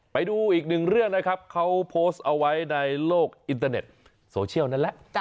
ไปดูอีกหนึ่งเรื่องนะครับเขาโพสต์เอาไว้ในโลกอินเตอร์เน็ตโซเชียลนั่นแหละ